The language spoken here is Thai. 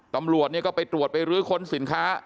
ตำรวจก็ไปตรวจไปรื้อค้นสินค้า